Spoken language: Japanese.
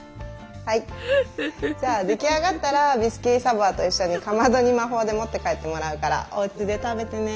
はいじゃあ出来上がったらビスキュイ・ド・サヴォワと一緒にかまどに魔法で持って帰ってもらうからおうちで食べてね。